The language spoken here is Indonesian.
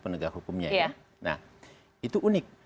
penegak hukumnya ya nah itu unik